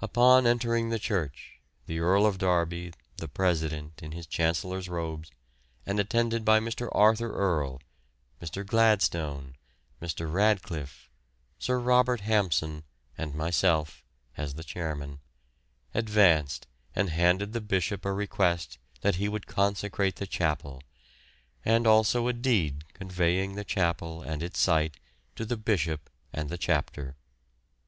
Upon entering the church, the Earl of Derby, the president, in his chancellor's robes, and attended by Mr. Arthur Earle, Mr. Gladstone, Mr. Radcliffe, Sir Robert Hampson, and myself, as the chairman, advanced and handed the Bishop a request that he would consecrate the chapel, and also a deed conveying the chapel and its site to the Bishop and the Chapter.